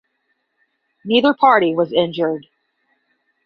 Neither party was injured.